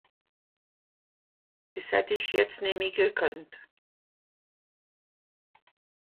Dìch hätt ìch jetzt nemmi gekannt.